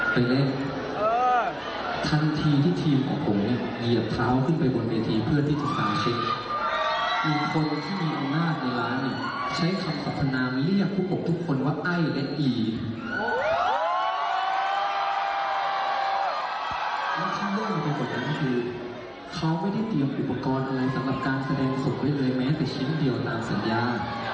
เขาไม่ได้เตรียมอุปกรณ์อะไรสำหรับการแสดงผู้สมไว้เลยแม้แต่ชิ้นเดียวตามสัญญา